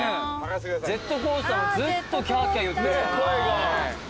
ジェットコースターもずっとキャーキャーいってる。